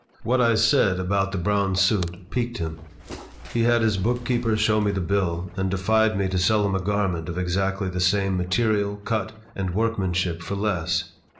What I said about the brown suit piqued him. He had his bookkeeper show me the bill, and defied me to sell him a garment of exactly the same material, cut, and workmanship for less.